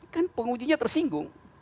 kan pengujinya tersinggung